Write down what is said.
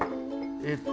えっと。